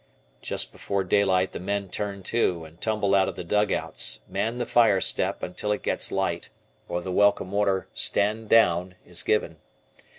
Just before daylight the men "turn to" and tumble out of the dugouts, man the fire step until it gets light, or the welcome order "stand down" is given.